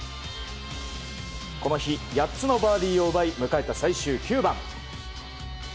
この日、８つのバーディーを奪い迎えた最終９番。